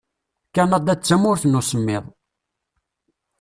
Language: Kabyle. Kanada d tamurt n usemmiḍ.